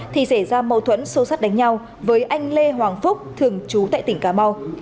thì xảy ra mâu thuẫn sâu sát đánh nhau với anh lê hoàng phúc thường trú tại tỉnh cà mau